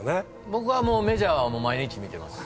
僕はメジャーは毎日見てます。